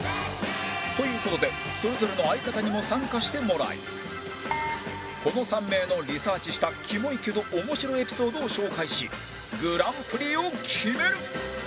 という事でそれぞれの相方にも参加してもらいこの３名のリサーチしたキモイけど面白エピソードを紹介しグランプリを決める